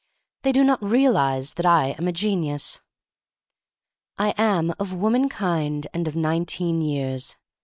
They do not realize that I am a genius. I am of womankind and of nineteen years.